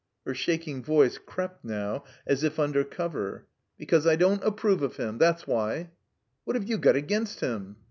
Her shaking voice crept now as if under cover. "Because I don't approve of him. That's why." "What have you got against him?"